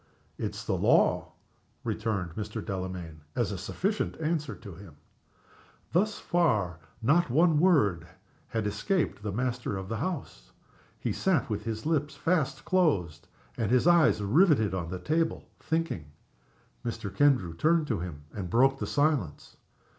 "It is the law," returned Mr. Delamayn, as a sufficient answer to him. Thus far not a word had escaped the master of the house. He sat with his lips fast closed and his eyes riveted on the table, thinking. Mr. Kendrew turned to him, and broke the silence.